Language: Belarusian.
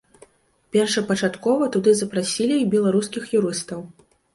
Першапачаткова туды запрасілі і беларускіх юрыстаў.